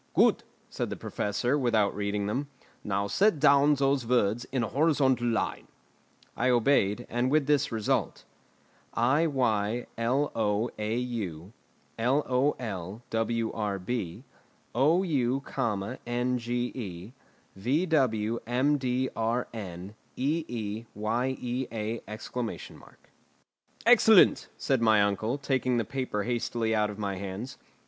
"Good," said the professor, without reading them, "now set down those words in a horizontal line." I obeyed, and with this result: Iyloau lolwrb ou, nGe vwmdrn eeyea! "Excellent!" said my uncle, taking the paper hastily out of my hands.